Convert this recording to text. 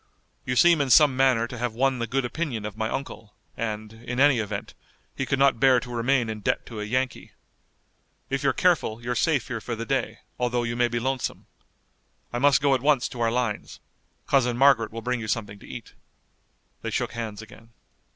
You seem in some manner to have won the good opinion of my uncle, and, in any event, he could not bear to remain in debt to a Yankee. If you're careful you're safe here for the day, although you may be lonesome. I must go at once to our lines. Cousin Margaret will bring you something to eat." They shook hands again.